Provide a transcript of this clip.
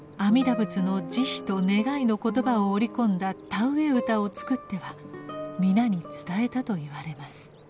仏の慈悲と願いの言葉を織り込んだ田植え歌を作っては皆に伝えたといわれます。